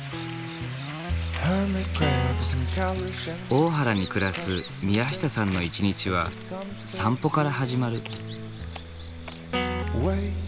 大原に暮らす宮下さんの一日は散歩から始まる。